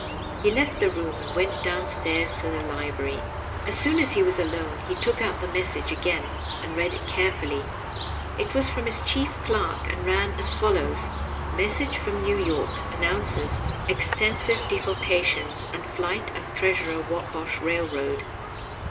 He left the room and weut down stairs to the library. As soon as he was alone he took out the message again and read it carefully. It was from his chief clerk, and ran as follows :'^ Message from ITew York announces extensive defalcations and flight of treasurer Whatbosh Bailroad.